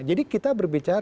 jadi kita berbicara